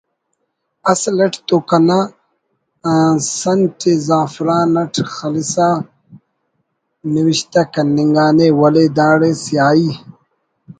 اصل اٹ تو کنا سنٹ ءِ زعفران اٹ خلسا نوشتہ کننگانے ولے داڑے سیاہی